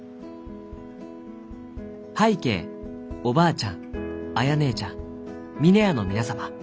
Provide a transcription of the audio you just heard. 「拝啓おばあちゃん綾姉ちゃん峰屋の皆様。